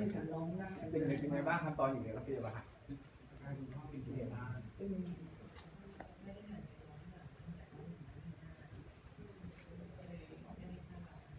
ใช่ค่ะน้องเป็นในสินไงบ้างครับตัวอยู่ในรัฐเตรียมอ่ะค่ะ